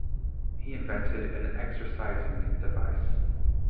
He invented an "Exercising Device".